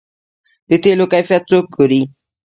د تیلو کیفیت څوک ګوري؟